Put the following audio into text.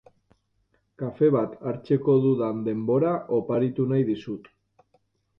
kafe bat hartzeko dudan denbora oparitu nahi dizut.